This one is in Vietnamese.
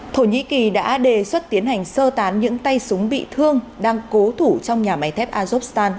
thổ nhĩ kỳ đã đề xuất tiến hành sơ tán những tay súng bị thương đang cố thủ trong nhà máy thép azokstan